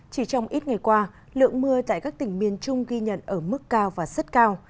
chỉ trong ít ngày qua lượng mưa tại các tỉnh miền trung ghi nhận ở mức cao và rất cao